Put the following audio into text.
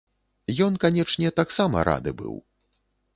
Ён, канечне, таксама рады быў.